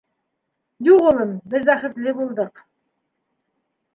Юҡ, улым, беҙ бәхетле булдыҡ.